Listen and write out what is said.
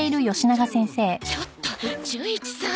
ちょっと純一さん。